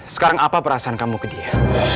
sekarang apa perasaan kamu ke dia